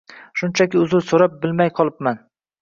Shunchaki uzr soʻrab, bilmay qolibman.